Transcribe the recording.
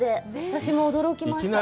私も驚きました。